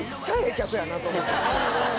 客やなと思った。